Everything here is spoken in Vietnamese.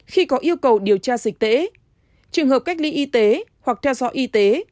không cần điều tra dịch tễ trường hợp cách ly y tế hoặc theo dõi y tế